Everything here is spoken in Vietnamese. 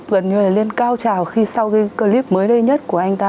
gần như là lên cao trào khi sau cái clip mới đây nhất của anh ta